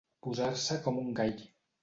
Posar-se com un gall.